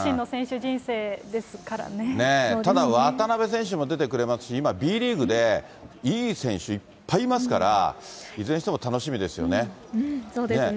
ただ、渡邊選手も出てくれますし、今、Ｂリーグでいい選手いっぱいいますから、いずれにしても楽しみでそうですね。